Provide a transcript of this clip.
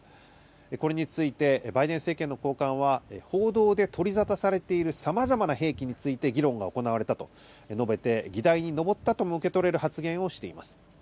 これについてバイデン政権の高官は、報道で取り沙汰されているさまざまな兵器について議論が行われたと述べて、議題に上ったとも受け取れる発言をしています。